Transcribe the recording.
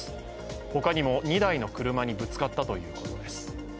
ほかにも２台の車にぶつかったということです。